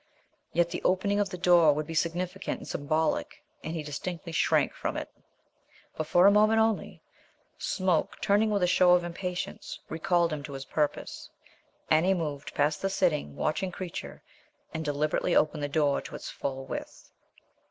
Yet the opening of the door would be significant and symbolic, and he distinctly shrank from it. But for a moment only. Smoke, turning with a show of impatience, recalled him to his purpose, and he moved past the sitting, watching creature, and deliberately opened the door to its full width.